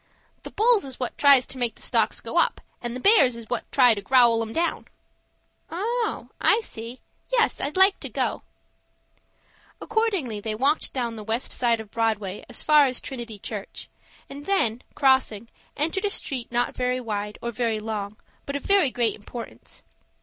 "The bulls is what tries to make the stocks go up, and the bears is what try to growl 'em down." "Oh, I see. Yes, I'd like to go." Accordingly they walked down on the west side of Broadway as far as Trinity Church, and then, crossing, entered a street not very wide or very long, but of very great importance.